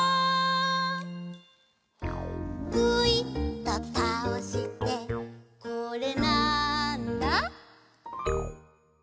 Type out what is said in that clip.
ぐいっとたおしてこれ、なんだ？